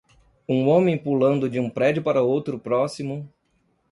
um homem pulando de um prédio para outro próximo